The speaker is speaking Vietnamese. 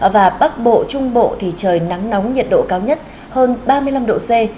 và bắc bộ trung bộ thì trời nắng nóng nhiệt độ cao nhất hơn ba mươi năm độ c